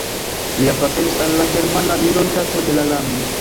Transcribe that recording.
Li apartenis al la germana minoritato de la lando.